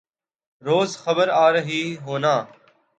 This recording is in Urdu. روز خبر آرہی ہونا